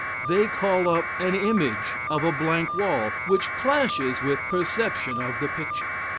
They call up an image of a blank wall, which clashes with perception of the picture.